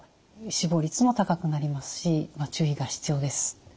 死亡率も高くなりますし注意が必要です。